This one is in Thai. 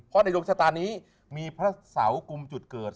เพราะในดวงชะตานี้มีพระเสากุมจุดเกิด